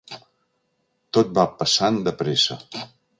Tot va bastant de pressa.